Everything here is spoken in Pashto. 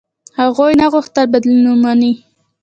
هغوی نه غوښتل بدلون ومني.